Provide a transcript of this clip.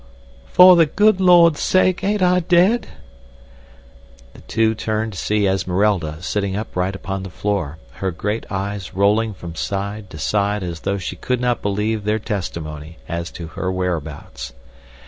"For the good Lord's sake, ain't I dead?" The two turned to see Esmeralda sitting upright upon the floor, her great eyes rolling from side to side as though she could not believe their testimony as to her whereabouts.